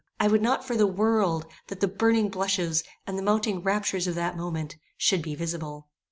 I would not for the world, that the burning blushes, and the mounting raptures of that moment, should be visible.